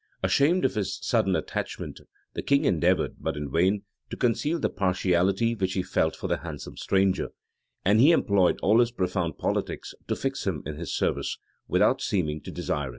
[] Ashamed of his sudden attachment, the king endeavored, but in vain, to conceal the partiality which he felt for the handsome stranger; and he employed all his profound politics to fix him in his service, without seeming to desire it.